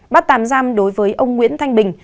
bắt tàm giam đối với ông nguyễn thanh bình